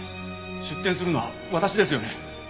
出店するのは私ですよね？